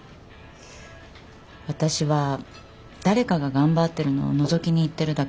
私は誰かが頑張ってるのをのぞきに行ってるだけかもって。